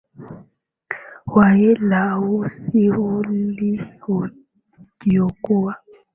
wa hela usi uli uliokuwa